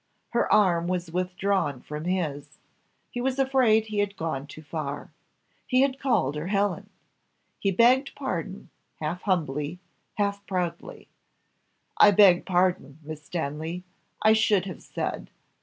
Her arm was withdrawn from his. He was afraid he had gone too far. He had called her Helen! He begged pardon, half humbly, half proudly. "I beg pardon; Miss Stanley, I should have said.